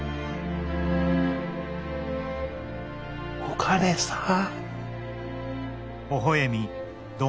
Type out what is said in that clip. おかねさん。